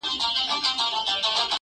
چا له بېري هلته سپوڼ نه سو وهلاى!!